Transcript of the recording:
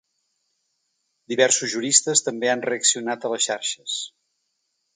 Diversos juristes també han reaccionat a les xarxes.